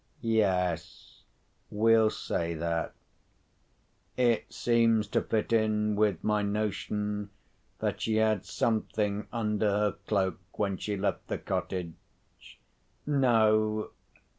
Yes, we'll say that. It seems to fit in with my notion that she had something under her cloak, when she left the cottage. No!